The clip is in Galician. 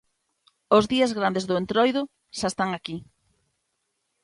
Os días grandes do Entroido xa están aquí.